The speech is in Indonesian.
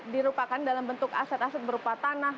dirupakan dalam bentuk aset aset berupa tanah